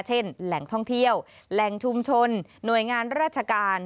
แหล่งท่องเที่ยวแหล่งชุมชนหน่วยงานราชการ